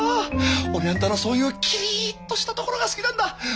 俺あんたのそういうキリッとしたところが好きなんだ。